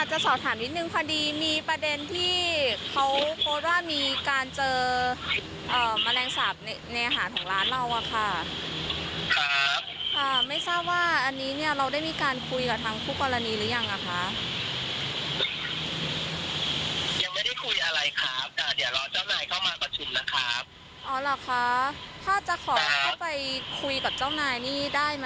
หรือว่าอันนี้เราได้มีการคุยกับทางผู้กรณีหรือยัง